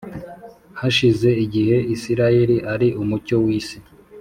hashize igihe isirayeli ari umucyo w’isi,